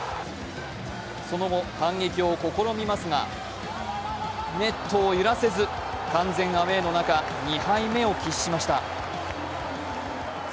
その後、反撃を試みますが、ネットを揺らせず完全アウェーの中、２敗目を喫しました。